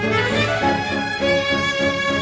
gimana kita akan menikmati rena